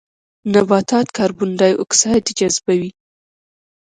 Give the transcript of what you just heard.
نباتات کاربن ډای اکسایډ جذبوي